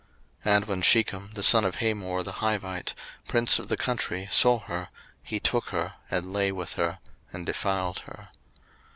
01:034:002 And when Shechem the son of Hamor the Hivite, prince of the country, saw her, he took her, and lay with her, and defiled her.